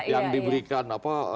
yang diberikan apa